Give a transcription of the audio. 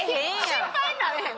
心配にならへん？